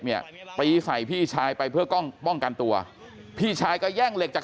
เนี่ยตีใส่พี่ชายไปเพื่อกล้องป้องกันตัวพี่ชายก็แย่งเหล็กจาก